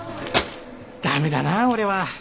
駄目だなぁ俺は。